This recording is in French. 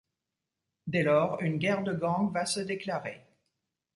Dès lors une guerre de gangs ve se déclarer.